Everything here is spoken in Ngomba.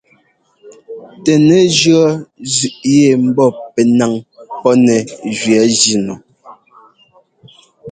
Tɛ nɛjʉɔ́ zʉꞌ yɛ mbɔ pɛ́ ńnaŋ pɔ́ nɛ gẅɛɛ jínu.